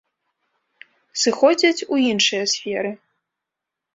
Сыходзяць у іншыя сферы.